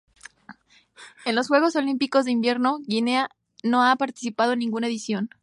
En los Juegos Olímpicos de Invierno Guinea no ha participado en ninguna edición.